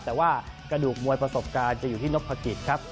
แต่ว่ากระดูกมวยประสบการณ์จะอยู่ที่นพกิจครับ